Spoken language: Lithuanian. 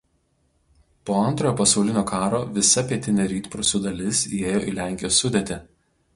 Po Antrojo pasaulinio karo visa pietinė Rytprūsių dalis įėjo į Lenkijos sudėtį.